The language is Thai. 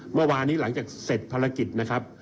เมื่อวานนี้หลังจากเสร็จภารกิจนะครับ